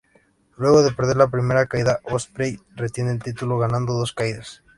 Luego de perder la primera caída, Ospreay retiene el título ganando dos caídas.